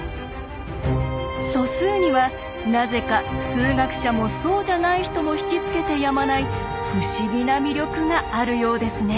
素数にはなぜか数学者もそうじゃない人も引き付けてやまない不思議な魅力があるようですね。